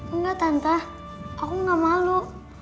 enggak tante aku nggak malu